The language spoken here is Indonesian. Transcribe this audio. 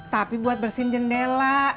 tapi buat bersihin jendela